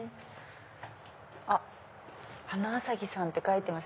あっ花あさぎさんって書いてます。